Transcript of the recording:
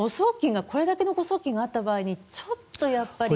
これだけの誤送金があった場合にちょっとやっぱり。